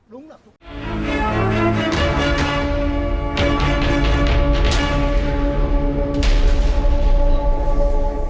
đúng là đúng